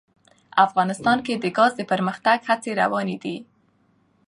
افغانستان کې د ګاز د پرمختګ هڅې روانې دي.